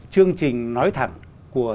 chương trình nói thẳng của